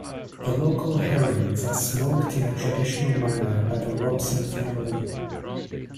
The local herrings are smoked in a traditional manner by the Robson family.